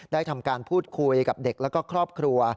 ได้ทำการพูดคุยกับเด็กและครอบครัว